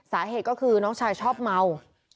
สาเหตุก็คือน้องชายชอบเมา